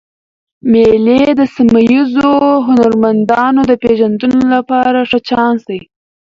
مېلې د سیمه ییزو هنرمندانو د پېژندلو له پاره ښه چانس دئ.